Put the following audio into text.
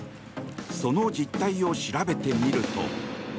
その実態を調べてみると。